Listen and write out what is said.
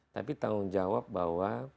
tapi tanggung jawab bahwa